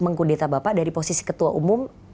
mengkudeta bapak dari posisi ketua umum